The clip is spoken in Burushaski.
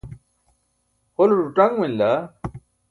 hole ḍuṭaṅ manila